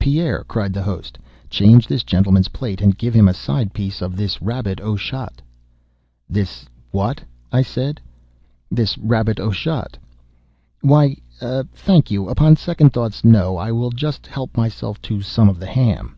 "Pierre," cried the host, "change this gentleman's plate, and give him a side piece of this rabbit au chat." "This what?" said I. "This rabbit au chat." "Why, thank you—upon second thoughts, no. I will just help myself to some of the ham."